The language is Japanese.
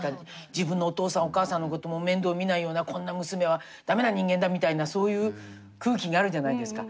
自分のお父さんお母さんのことも面倒見ないようなこんな娘は駄目な人間だみたいなそういう空気があるじゃないですか。